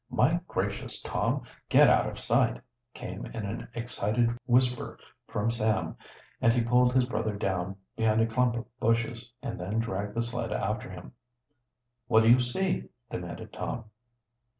"My gracious, Tom! Get out of sight!" came in an excited whisper from Sam, and he pulled his brother down behind a clump of bushes, and then dragged the sled after him. "What do you see?" demanded Tom.